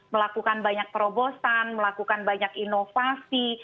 melakukan banyak terobosan melakukan banyak inovasi